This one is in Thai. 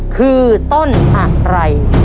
คือต้นอะไร